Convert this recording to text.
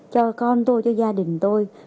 cho con tôi cho gia đình tôi